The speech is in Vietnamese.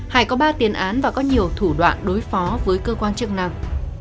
hải có ba tiền án và có nhiều thủ đoạn đối phó với cơ quan chức năng